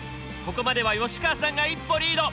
ここまでは吉川さんが一歩リード。